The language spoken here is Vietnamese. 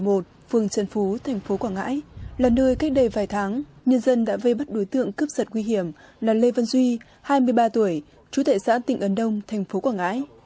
đây là tổ một mươi một phường trần phú thành phố quảng ngãi là nơi cách đây vài tháng nhân dân đã vây bắt đối tượng cướp sật nguy hiểm là lê văn duy hai mươi ba tuổi trú tệ xã tỉnh ấn đông thành phố quảng ngãi